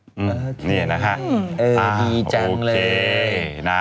โอเคดีจังเลย